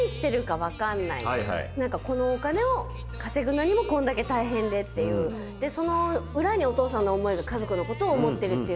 なんかこのお金を稼ぐのにもこんだけ大変でっていう。その裏にお父さんの思いが家族の事を思ってるっていうのが。